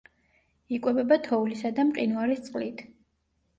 იკვებება თოვლისა და მყინვარის წყლით.